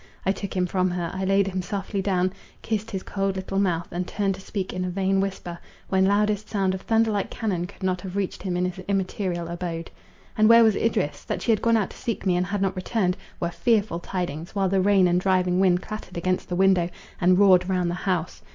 I took him from her, I laid him softly down, kissed his cold little mouth, and turned to speak in a vain whisper, when loudest sound of thunderlike cannon could not have reached him in his immaterial abode. And where was Idris? That she had gone out to seek me, and had not returned, were fearful tidings, while the rain and driving wind clattered against the window, and roared round the house.